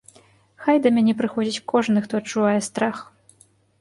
Хай да мяне прыходзіць кожны, хто адчувае страх.